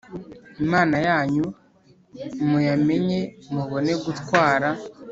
Imana Yanyu Muyamenye Mubone Gutwara